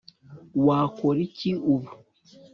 wakora iki ubu